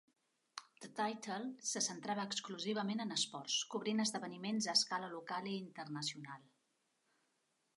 "The Title" se centrava exclusivament en esports, cobrint esdeveniments a escala local i internacional.